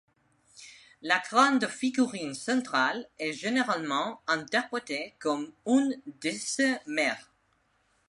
La grande figurine centrale est généralement interprétée comme une Déesse mère.